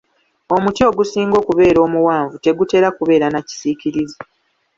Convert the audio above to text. Omuti ogusinga okubeera omuwanvu tegutera kubeera na kisiikirize.